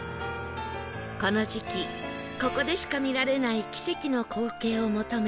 この時期ここでしか見られない奇跡の光景を求め